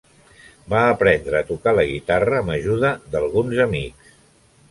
Va aprendre a tocar la guitarra amb ajuda d'alguns amics.